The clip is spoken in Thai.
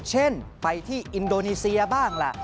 เช่นไปที่อินโดนีเซียบ้างล่ะ